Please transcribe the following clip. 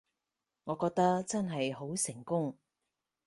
我覺得真係好成功